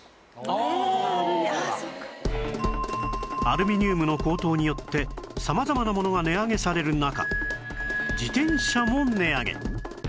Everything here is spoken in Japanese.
アルミニウムの高騰によって様々なものが値上げされる中自転車も値上げ